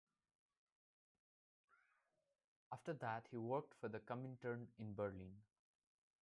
After that he worked for the Comintern in Berlin.